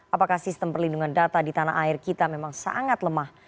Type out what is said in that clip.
apakah sistem perlindungan data di tanah air kita memang sangat lemah